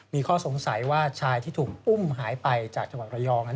ในช่วงนี้เราจะมาพูดคุย